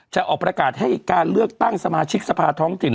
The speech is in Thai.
จะออกประกาศให้การเลือกตั้งสมาชิกสภาท้องถิ่น